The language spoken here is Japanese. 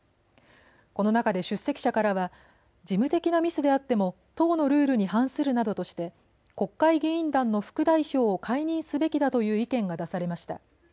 この中で出席者からは事務的なミスであっても党のルールに反するなどとして国会議員団の副代表を解任すべきだという意見が出されました。